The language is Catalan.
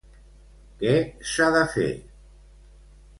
Què s'ha de fer?